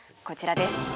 こちらです。